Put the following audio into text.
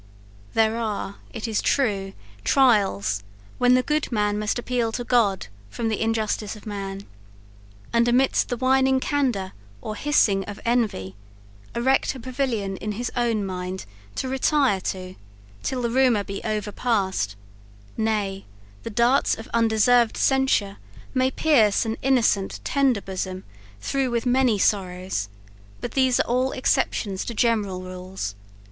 There are, it is true, trials when the good man must appeal to God from the injustice of man; and amidst the whining candour or hissing of envy, erect a pavilion in his own mind to retire to, till the rumour be overpast; nay, the darts of undeserved censure may pierce an innocent tender bosom through with many sorrows; but these are all exceptions to general rules.